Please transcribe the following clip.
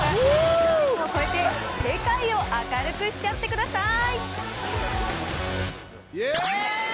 日本を越えて世界を明るくしちゃってください。